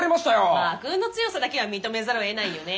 まあ悪運の強さだけは認めざるをえないよね。